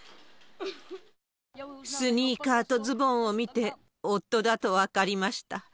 スニーカーとズボンを見て、夫だと分かりました。